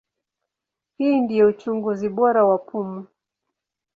Hii ndio uchunguzi bora wa pumu.